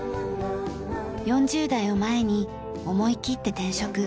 ４０代を前に思いきって転職。